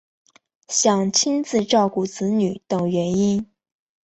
想亲自照顾子女等原因